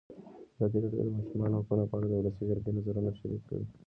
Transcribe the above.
ازادي راډیو د د ماشومانو حقونه په اړه د ولسي جرګې نظرونه شریک کړي.